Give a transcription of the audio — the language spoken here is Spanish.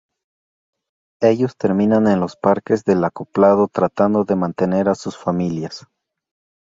Ellos terminan en los parques del acoplado tratando de mantener a sus familias.